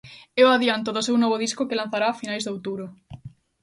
É o adianto do seu novo disco que lanzará a finais de outubro.